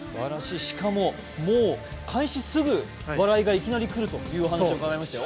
しかも開始すぐ笑いがいきなり来るという話を聞きましたよ。